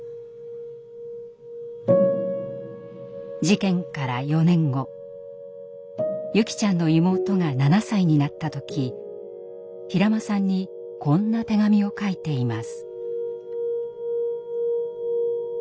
事件から４年後優希ちゃんの妹が７歳になった時平間さんにこんな手紙を書いています。